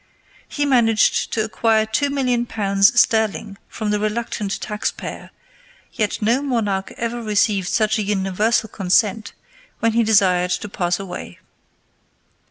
He managed to acquire two million pounds sterling from the reluctant tax payer, yet no monarch ever received such a universal consent when he desired to pass away.